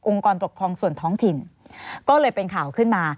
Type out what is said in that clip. กรปกครองส่วนท้องถิ่นก็เลยเป็นข่าวขึ้นมา